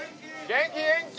元気元気！